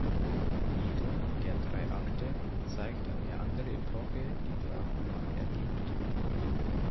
Jeder der drei Akte zeigt eine andere Epoche, die Dracula erlebt.